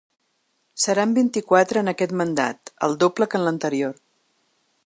Seran vint-i-quatre en aquest mandat, el doble que en l’anterior.